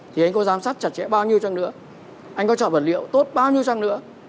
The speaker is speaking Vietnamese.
thì anh có giám sát chặt chẽ bao nhiêu trang nữa anh có chọn vật liệu tốt bao nhiêu trang nữa